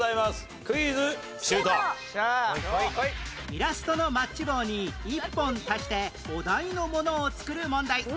イラストのマッチ棒に１本足してお題のものを作る問題